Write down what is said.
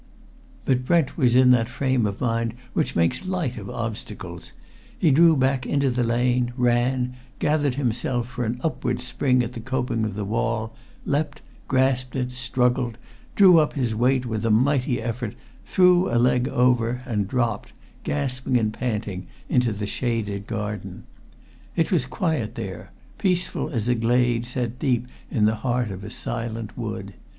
But Brent was in that frame of mind which makes light of obstacles: he drew back into the lane, ran, gathered himself for an upward spring at the coping of the wall, leapt, grasped it, struggled, drew up his weight with a mighty effort, threw a leg over, and dropped, gasping and panting, into the shaded garden. It was quiet there peaceful as a glade set deep in the heart of a silent wood.